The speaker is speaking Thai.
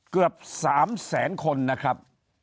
เกือบ๓แสนคนนะครับ